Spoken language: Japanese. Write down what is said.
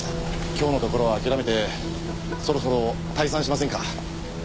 今日のところは諦めてそろそろ退散しませんか？